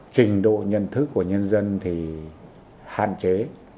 trình độ nhận thức của nhân dân thì hạn chế